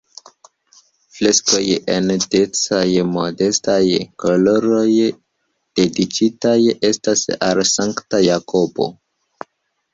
Freskoj en decaj-modestaj koloroj dediĉitaj estas al Sankta Jakobo.